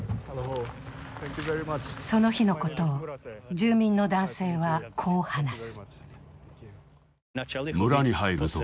その日のことを住民の男性はこう話す。